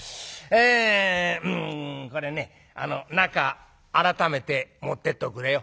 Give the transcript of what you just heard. えうんこれね中あらためて持ってっておくれよ」。